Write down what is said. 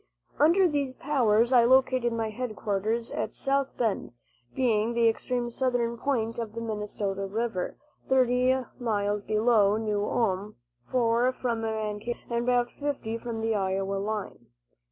Under these powers I located my headquarters at South Bend, being the extreme southern point of the Minnesota river, thirty miles below New Ulm, four from Mankato, and about fifty from the Iowa line.